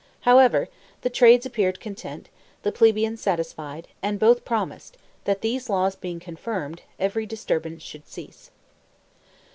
However the trades appeared content, the plebeians satisfied; and both promised, that these laws being confirmed, every disturbance should cease.